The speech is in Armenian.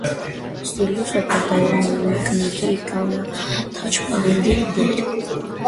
Ստիլուսը կատարում է մկնիկի կամ թաչպադի դեր։